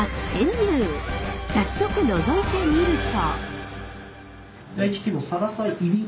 早速のぞいてみると。